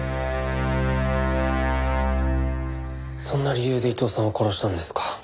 そんな理由で伊藤さんを殺したんですか。